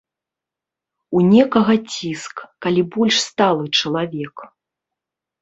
У некага ціск, калі больш сталы чалавек.